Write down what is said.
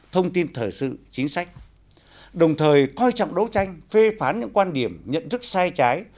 thông tin thời sự chính sách đồng thời coi trọng đấu tranh phê phán những quan điểm nhận thức sai trái